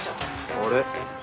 あれ？